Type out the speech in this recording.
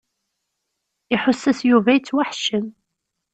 Iḥuss-as Yuba yettwaḥeccem.